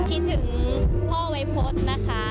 คิดถึงพ่อวัยพฤษนะคะ